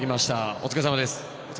お疲れさまです。